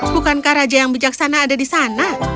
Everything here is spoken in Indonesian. bukankah raja yang bijaksana ada di sana